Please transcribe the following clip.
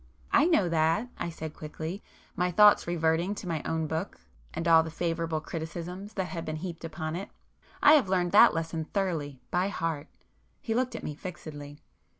"I know that!" I said quickly, my thoughts reverting to my own book, and all the favourable criticisms that had been heaped upon it—"I have learned that lesson thoroughly, by heart!" He looked at me fixedly.